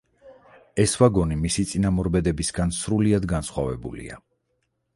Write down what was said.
ეს ვაგონი მისი წინამორბედებისგან სრულიად განსხვავებულია.